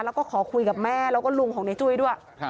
แล้วก็ขอคุยกับแม่แล้วก็ลุงของในจุ้ยด้วย